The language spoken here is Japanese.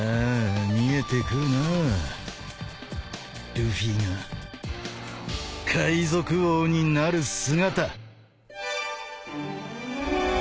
ルフィが海賊王になる姿。